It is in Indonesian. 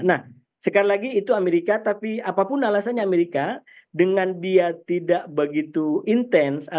nah sekali lagi itu amerika tapi apapun alasannya amerika dengan dia tidak begitu intens